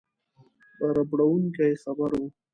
ربړوونکی خبر وو.